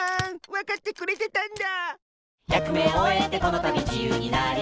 わかってくれてたんだ！